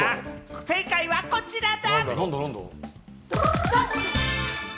正解はこちらだ。